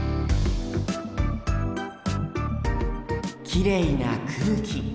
きれいな空気。